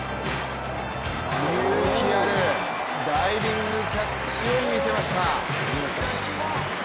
勇気あるダイビングキャッチを見せました！